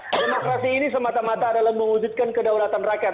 demokrasi ini semata mata adalah mewujudkan kedaulatan rakyat